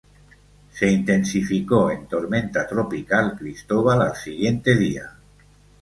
Se intensificó en Tormenta tropical Cristobal al siguiente día.